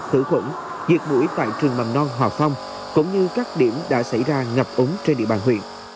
khử khuẩn diệt mũi tại trường mầm non hòa phong cũng như các điểm đã xảy ra ngập úng trên địa bàn huyện